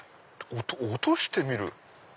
落としてみる⁉